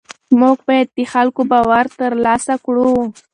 موږ باید د خلکو باور ترلاسه کړو.